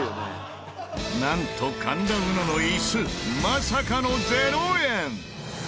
なんと神田うのの椅子まさかの０円。